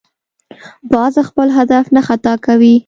باز خپل هدف نه خطا کوي